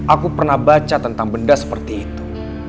aku pernah baca tentang benda seperti itu